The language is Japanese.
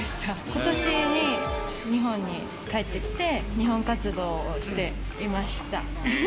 ことし、日本に帰ってきて、日本活動をしていました。